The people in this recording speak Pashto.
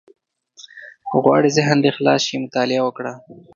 • که غواړې ذهن دې خلاص شي، مطالعه وکړه.